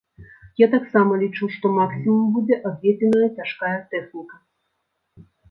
Я таксама лічу, што максімум будзе адведзеная цяжкая тэхніка.